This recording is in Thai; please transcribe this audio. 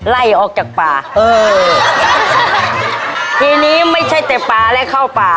ไล่ออกจากป่าเออทีนี้ไม่ใช่แต่ป่าและเข้าป่า